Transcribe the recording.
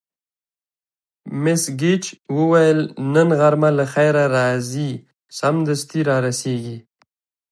مس ګېج وویل: نن غرمه له خیره راځي، سمدستي را رسېږي.